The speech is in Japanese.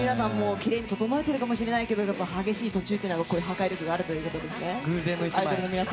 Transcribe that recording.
きれいに整えているかもしれないけどやっぱり激しい途中というのは破壊力があるということですね。